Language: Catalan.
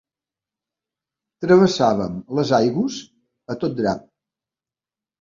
Travessàvem les aigües a tot drap.